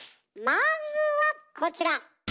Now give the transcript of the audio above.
まずはこちら！